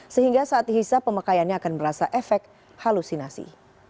sehingga saat dihisap pemakaiannya akan merasa efek halusinasi